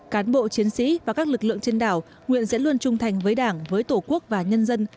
cán bộ chiến sĩ và các lực lượng trên đảo nguyện sẽ luôn trung thành với đảng với tổ quốc và nhân dân